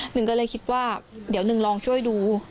หนึ่งก็เลยคิดว่าเดี๋ยวหนึ่งลองช่วยดู